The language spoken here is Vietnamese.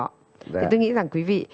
thì tôi nghĩ rằng quý vị